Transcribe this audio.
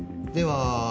では